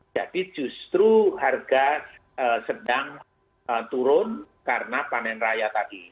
jadi justru harga sedang turun karena panen raya tadi